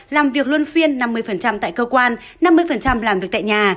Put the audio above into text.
làm việc luân phiên năm mươi tại cơ quan năm mươi làm việc tại nhà